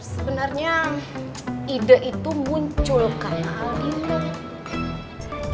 sebenarnya ide itu muncul karena